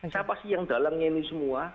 siapa sih yang dalangnya ini semua